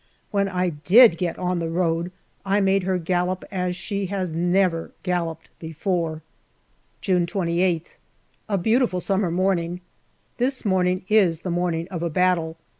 When I did get on the road, I made her gallop as she has never galloped before. June 28th. A beautiful summer morning. This morning is the morning of a battle.